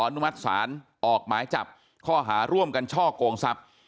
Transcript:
นุมัติศาลออกหมายจับข้อหาร่วมกันช่อกงทรัพย์